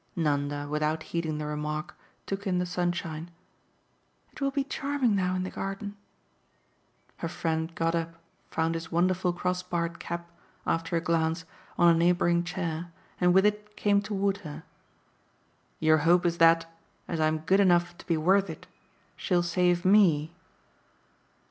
Nanda, without heeding the remark, took in the sunshine. "It will be charming now in the garden." Her friend got up, found his wonderful crossbarred cap, after a glance, on a neighbouring chair, and with it came toward her. "Your hope is that as I'm good enough to be worth it she'll save ME."